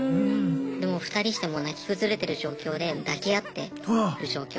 でもう２人してもう泣き崩れてる状況で抱き合ってる状況。